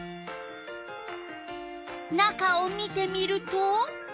中を見てみると。